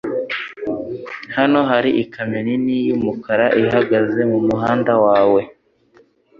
Hano hari ikamyo nini yumukara ihagaze mumuhanda wawe.